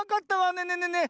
ねえねえねえねえ